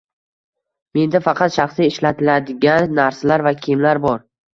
Menda faqat shaxsiy ishlatiladigan narsalar va kiyimlar bor.